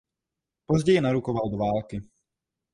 Později narukoval do války.